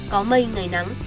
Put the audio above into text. có mây ngày nắng